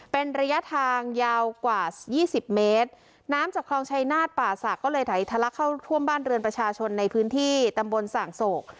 เป็นระยะทางยาวกว่ายี่สิบเมตรน้ำจากคลองชายนาฏป่าศักดิ์ก็เลยไถทะลักเข้าท่วมบ้านเรือนประชาชนในพื้นที่ตำบลส่างโศก